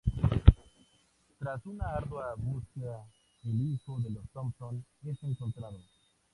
Tras una ardua búsqueda, el hijo de los Thompson es encontrado.